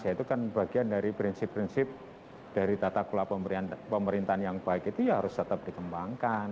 ya itu kan bagian dari prinsip prinsip dari tata kelola pemerintahan yang baik itu ya harus tetap dikembangkan